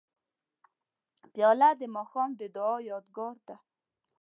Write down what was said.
پیاله د ماښام د دعا یادګار ده.